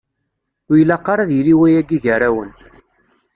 Ur ilaq ara ad yili wayagi gar-awen.